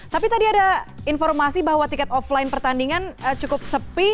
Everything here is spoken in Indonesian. tapi tadi ada informasi bahwa tiket offline pertandingan cukup sepi